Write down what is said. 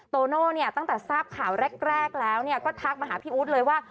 โตโน่เนี่ยตั้งแต่ทราบข่าวแรกแล้วก็ทักมาหาพี่อู๊ดเลยว่า